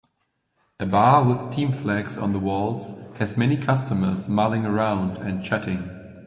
A bar with team flags on the walls has many customers mulling around and chatting.